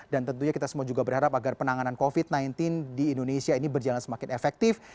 dan tentunya kita semua juga berharap agar penanganan covid sembilan belas di indonesia ini berjalan semakin efektif